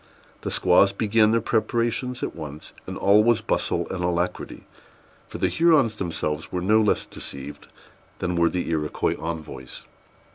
The squaws began their preparations at once, and all was bustle and alacrity; for the Hurons themselves were no less deceived than were the Iroquois envoys.